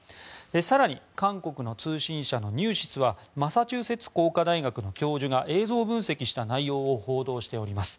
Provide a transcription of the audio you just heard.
更に、韓国の通信社のニューシスはマサチューセッツ工科大学の教授が映像分析した結果を報道しております。